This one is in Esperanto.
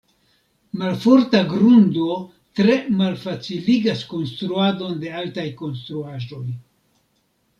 Malforta grundo tre malfaciligas konstruadon de altaj konstruaĵoj.